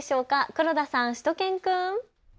黒田さん、しゅと犬くん。